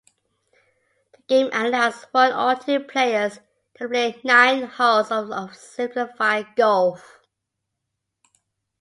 The game allows one or two players to play nine holes of simplified golf.